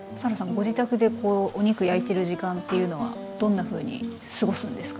ご自宅でお肉焼いてる時間っていうのはどんなふうに過ごすんですか？